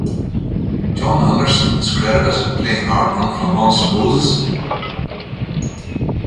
Jon Anderson is credited with playing harp on "Flamants Roses".